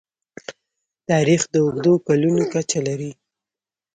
تاریخ د اوږدو کلونو کچه لري.